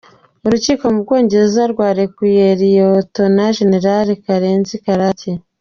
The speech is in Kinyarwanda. Urukiko mu Bwongereza rwarekuye Liyetona Jenerali Karenzi Karake.